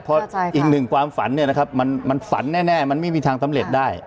เพราะอีกหนึ่งความฝันเนี่ยนะครับมันฝันแน่มันไม่มีทางสำเร็จได้